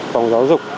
phòng giáo dục